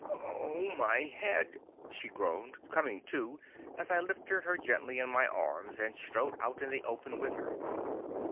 "Oh, my head!" she groaned, coming to as I lifted her gently in my arms and strode out in the open with her.